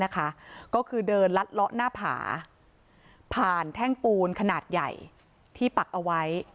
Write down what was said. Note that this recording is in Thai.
ก็คือเดินลัดเลาะหน้าผาผ่านแท่งปูนขนาดใหญ่ที่ปักเอาไว้